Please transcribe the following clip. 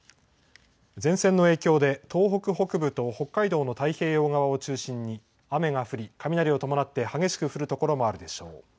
前線の影響で東北北部と北海道の太平洋側を中心に雨が降り雷を伴って激しく降る所もあるでしょう。